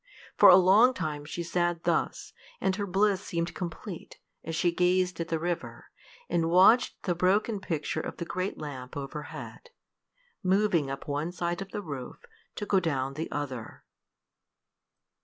For a long time she sat thus, and her bliss seemed complete, as she gazed at the river, and watched the broken picture of the great lamp overhead, moving up one side of the roof to go down the other.